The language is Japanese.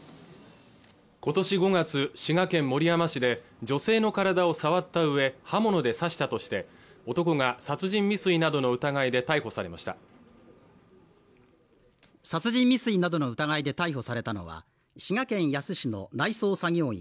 今年５月滋賀県守山市で女性の体を触ったうえ刃物で刺したとして男が殺人未遂などの疑いで逮捕されました殺人未遂などの疑いで逮捕されたのは滋賀県野洲市の内装作業員